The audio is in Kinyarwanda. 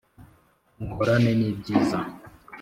Muhorane n ‘ibyiza .